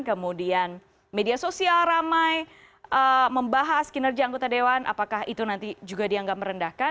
kemudian media sosial ramai membahas kinerja anggota dewan apakah itu nanti juga dianggap merendahkan